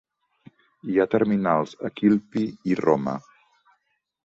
Hi ha terminals a Quilpie i Roma.